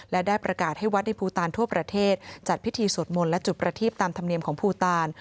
และได้ประกาศให้วัดในภูตานทั่วประเทศจัดพิธีสวดมนต์และจุดประทีบตามธรรมเนียมของภูตาล